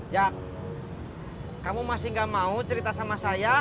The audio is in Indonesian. ya kamu masih gak mau cerita sama saya